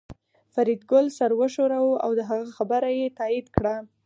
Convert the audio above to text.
فریدګل سر وښوراوه او د هغه خبره یې تایید کړه